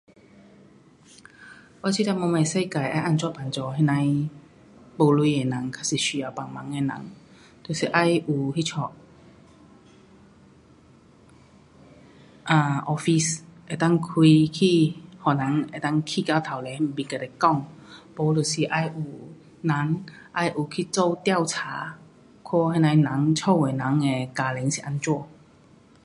我觉得我们的世界得帮助那些没钱的人还是需要帮忙的人。就是要有去做 [um]office 能够开去给人能够去到前面去跟你讲几，没就是要有人,要有去做调查，看那些人，屋的家庭怎样。